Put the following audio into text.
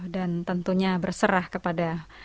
dan tentunya berserah kepada